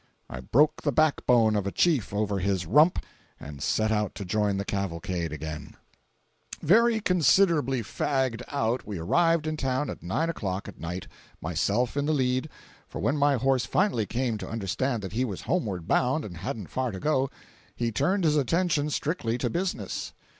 I broke the back bone of a Chief over his rump and set out to join the cavalcade again. 467.jpg (33K) Very considerably fagged out we arrived in town at 9 o'clock at night, myself in the lead—for when my horse finally came to understand that he was homeward bound and hadn't far to go, he turned his attention strictly to business.